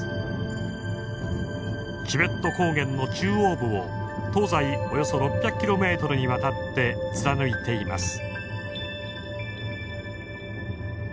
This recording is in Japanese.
チベット高原の中央部を東西およそ６００ｋｍにわたって貫いています。